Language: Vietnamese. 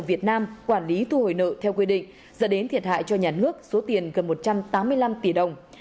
việt nam quản lý thu hồi nợ theo quy định dẫn đến thiệt hại cho nhà nước số tiền gần một trăm tám mươi năm tỷ đồng